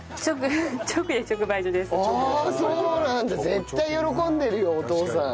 絶対喜んでるよお父さん。